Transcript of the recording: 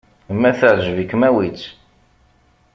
Ma teɛǧeb-ikem, awi-tt.